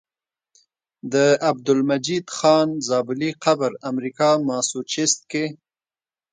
د عبدالمجيد خان زابلي قبر امريکا ماسوچست کي